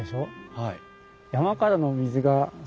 はい。